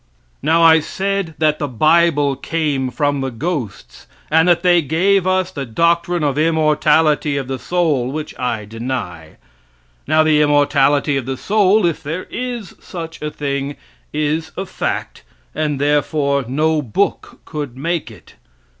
"Now, I said that the bible came from the ghosts, and that they gave us the doctrine of immortality of the soul, which I deny. Now, the immortality of the soul, if there is such a thing, is a fact, and therefore no book could make it.